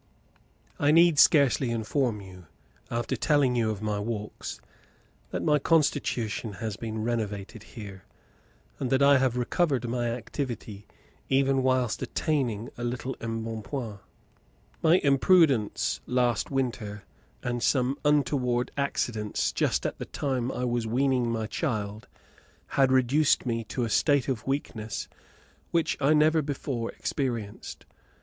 I need scarcely inform you, after telling you of my walks, that my constitution has been renovated here, and that I have recovered my activity even whilst attaining a little embonpoint. My imprudence last winter, and some untoward accidents just at the time I was weaning my child, had reduced me to a state of weakness which I never before experienced.